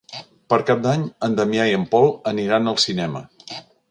Per Cap d'Any en Damià i en Pol aniran al cinema.